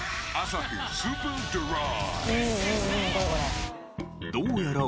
アサヒスーパードライ。